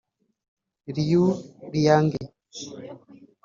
Liu Liange